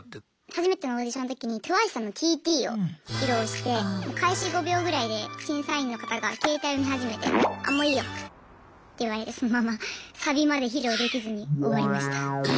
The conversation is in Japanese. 初めてのオーディションの時にＴＷＩＣＥさんの「ＴＴ」を披露して開始５秒ぐらいで審査員の方が携帯見始めて「あもういいよ」って言われてそのままサビまで披露できずに終わりました。